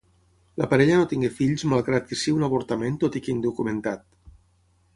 La parella no tingué fills malgrat que si un avortament tot i que indocumentat.